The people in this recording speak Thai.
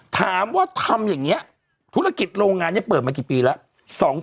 ถามว่าทำอย่างนี้ธุรกิจโรงงานนี้เปิดมากี่ปีแล้ว